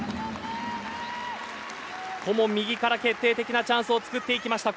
ここも右から決定的なチャンスを作っていきました。